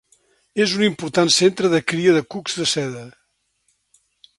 És un important centre de cria de cucs de seda.